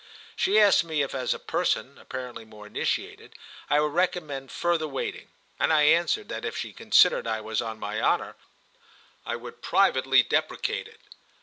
She asked me if, as a person apparently more initiated, I would recommend further waiting, and I answered that if she considered I was on my honour I would privately deprecate it.